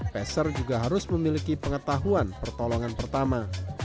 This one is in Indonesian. peser juga harus memiliki pengetahuan pertolongan pertama